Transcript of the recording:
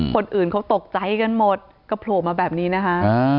คนอื่นเขาตกใจกันหมดก็โผล่มาแบบนี้นะคะ